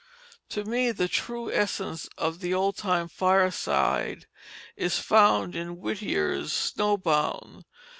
To me the true essence of the old time fireside is found in Whittier's Snow Bound.